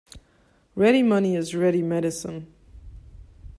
Ready money is ready medicine.